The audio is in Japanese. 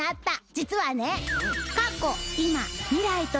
実はね。